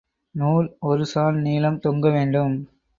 நூல் ஒரு சாண் நீளம் தொங்க வேண்டும்.